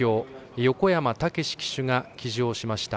横山武史騎手が騎乗しました。